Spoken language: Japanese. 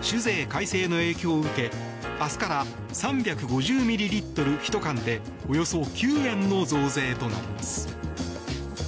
酒税改正の影響を受け明日から３５０ミリリットル１缶でおよそ９円の増税となります。